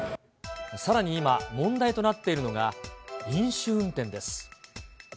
さらに今、問題となっているのが、飲酒運転です。